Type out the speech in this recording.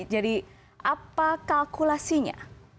jadi apa kalkulasinya